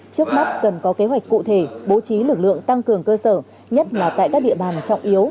trước mắt cần có kế hoạch cụ thể bố trí lực lượng tăng cường cơ sở nhất là tại các địa bàn trọng yếu